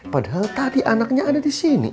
padahal tadi anaknya ada disini